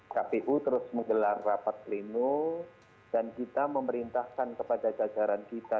kpu terus menggelar rapat pleno dan kita memerintahkan kepada jajaran kita